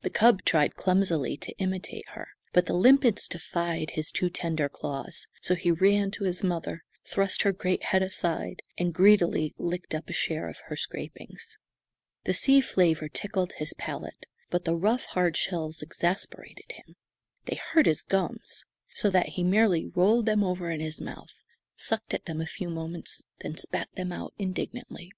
The cub tried clumsily to imitate her, but the limpets defied his too tender claws, so he ran to his mother, thrust her great head aside, and greedily licked up a share of her scrapings. The sea flavour tickled his palate, but the rough, hard shells exasperated him. They hurt his gums, so that he merely rolled them over in his mouth, sucked at them a few moments, then spat them out indignantly.